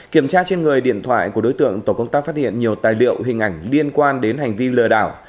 kiểm tra trên người điện thoại của đối tượng tổ công tác phát hiện nhiều tài liệu hình ảnh liên quan đến hành vi lừa đảo